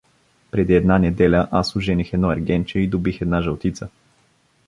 Преди една неделя аз ожених едно ергенче и добих една жълтица.